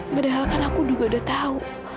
berdahalkan aku juga udah tahu